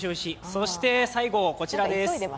そして、最後こちらです。